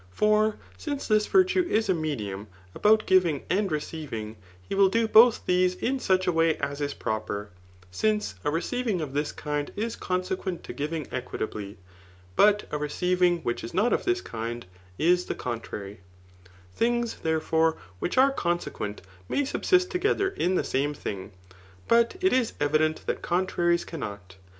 For since this virtue is a medium about giving and receiving, he will do both these in such a way as is proper; since a receiving of this kind is conse quent to giving equitably ; but a receiving which is not of this kind, is the CQUtrary* Things, therefore, whkh are consequent may subsist together in the same thing ; but it is evident that contraries cannot.